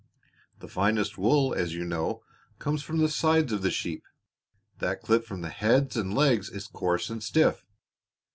The finest wool, as you know, comes from the sides of the sheep; that clipped from the head and legs is coarse and stiff.